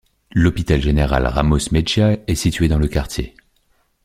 L'hôpital général Ramos Mejía est situé dans le quartier.